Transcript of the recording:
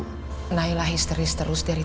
penahilah histeris terus dari tadi mir